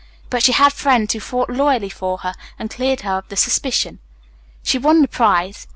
But she had friends who fought loyally for her and cleared her of the suspicion. "She won the prize.